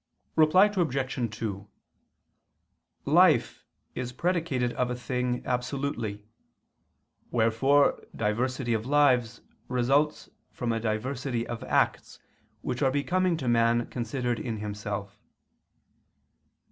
Reply Obj. 2: Life is predicated of a thing absolutely: wherefore diversity of lives results from a diversity of acts which are becoming to man considered in himself.